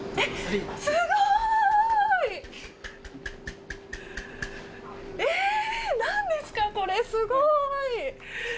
すごい！何ですかこれすごい！